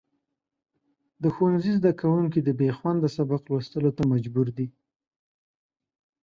د ښوونځي زدهکوونکي د بېخونده سبق لوستلو ته مجبور دي.